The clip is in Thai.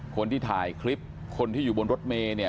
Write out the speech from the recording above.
คนที่ถ่ายคลิปคนที่อยู่บนรถเมย์เนี่ย